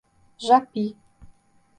Japi